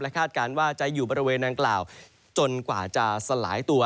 คาดการณ์ว่าจะอยู่บริเวณนางกล่าวจนกว่าจะสลายตัว